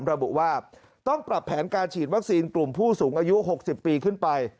ระบุว่าต้องปรับแผนการฉีดวัคซีนกลุ่มผู้สูงอายุ๖๐ปีขึ้นไป